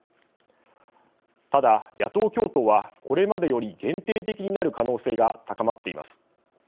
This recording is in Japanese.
ただ、野党共闘はこれまでより限定的になる可能性が高まっています。